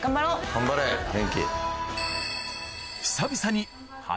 頑張れ元輝。